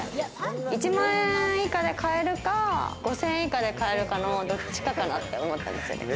１万以下で買えるか、５０００円以下で買えるかのどっちかかなって思ったんですよ。